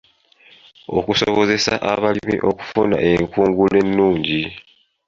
Okusobozesa abalimi okufuna enkungula ennungi.